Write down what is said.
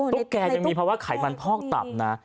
ตุ๊กแกยังมีภาวะไขมันพอกต่ำนะ